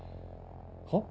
はっ？